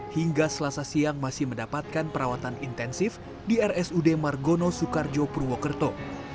hingga selasa siang masih mendapatkan perawatan intensif di rsud margono soekarjo purwokerto